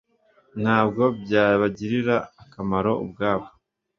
ntabwo byabagirira akamaro ubwabo